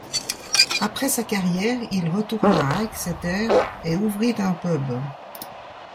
Après sa carrière, il retourna à Exeter et ouvrit un pub.